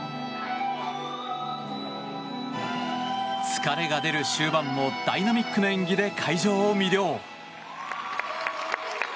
疲れが出る終盤もダイナミックな演技で会場を魅了。